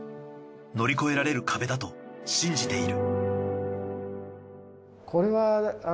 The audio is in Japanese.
乗り越えられる壁だと信じている。